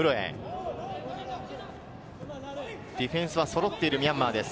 ディフェンスは揃っている、ミャンマーです。